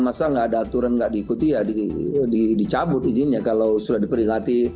masa nggak ada aturan nggak diikuti ya dicabut izinnya kalau sudah diperingati